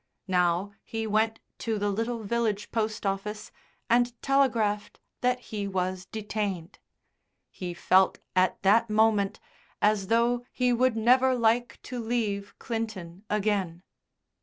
Now he went to the little village post office and telegraphed that he was detained; he felt at that moment as though he would never like to leave Clinton again.